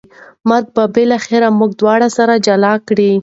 مرګ به بالاخره موږ دواړه سره جلا کړي